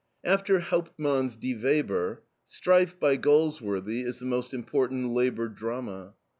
After Hauptmann's DIE WEBER, STRIFE, by Galsworthy, is the most important labor drama.